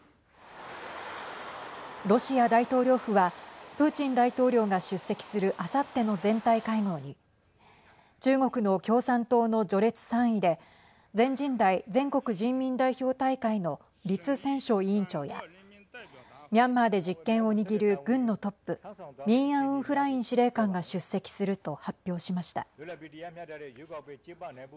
ロシア大統領府はプーチン大統領が出席するあさっての全体会合に中国の共産党の序列３位で全人代＝全国人民代表大会の栗戦書委員長やミャンマーで実権を握る軍のトップミン・アウン・フライン司令官が出席すると発表しました。